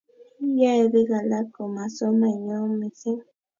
yae biik alak komasomanyo mising